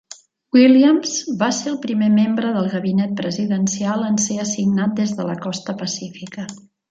Williams va ser el primer membre del gabinet presidencial en ser assignat des de la Costa Pacífica.